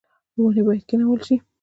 ونې باید کینول شي